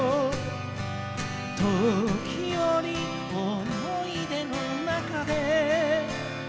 「時折り思い出の中で」